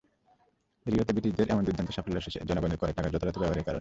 রিওতে ব্রিটিশদের এমন দুর্দান্ত সাফল্য এসেছে জনগণের করের টাকা যথাযথ ব্যবহারের কারণে।